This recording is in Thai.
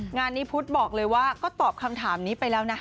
งานนี้พุทธบอกเลยว่าก็ตอบคำถามนี้ไปแล้วนะ